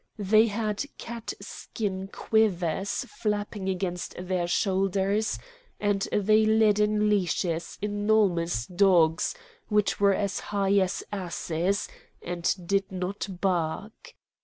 They had cat skin quivers flapping against their shoulders, and they led in leashes enormous dogs, which were as high as asses, and did not bark.